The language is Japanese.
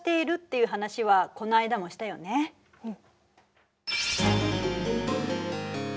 うん。